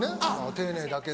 丁寧だけど。